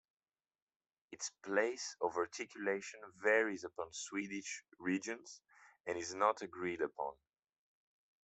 Its place of articulation varies over Swedish regions and is not agreed upon.